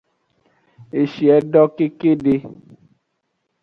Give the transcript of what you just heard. Eshiedo kekede.